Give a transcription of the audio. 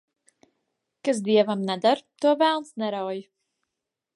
Kas dievam neder, to velns nerauj.